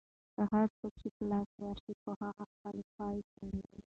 هر څوک چې په لاس ورشي، په هغه خپلې خواوې سړوي.